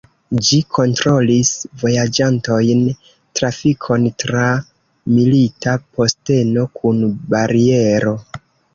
Ĝi kontrolis vojaĝantojn, trafikon tra milita posteno kun bariero.